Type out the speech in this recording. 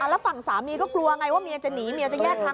แล้วฝั่งสามีก็กลัวไงว่าเมียจะหนีเมียจะแยกทาง